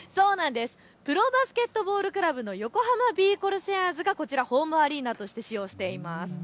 プロバスケットボールクラブの横浜ビー・コルセアーズがこちら、ホームアリーナとして使用しています。